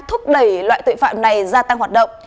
thúc đẩy loại tội phạm này gia tăng hoạt động